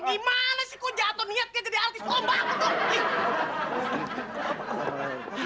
dimana sih kau jatuh niatnya jadi artis om